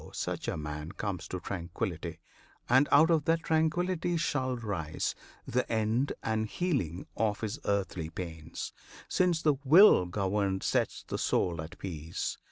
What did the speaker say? such a man comes to tranquillity; And out of that tranquillity shall rise The end and healing of his earthly pains, Since the will governed sets the soul at peace.